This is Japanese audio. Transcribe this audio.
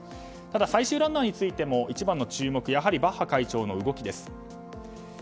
ただ最終ランナーについても一番の注目はバッハ会長の動きです。